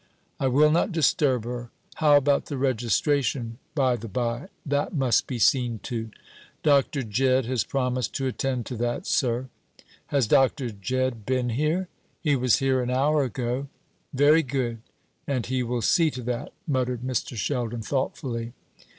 "I will not disturb her. How about the registration, by the by? That must be seen to." "Dr. Jedd has promised to attend to that, sir." "Has Dr. Jedd been here?" "He was here an hour ago." "Very good. And he will see to that," muttered Mr. Sheldon thoughtfully.